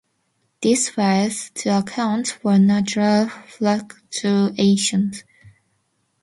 This fails to account for natural fluctuations.